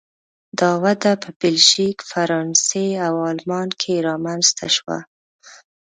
دا وده په بلژیک، فرانسې او آلمان کې رامنځته شوه.